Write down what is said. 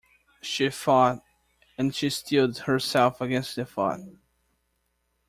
She thought; and she steeled herself against the thought.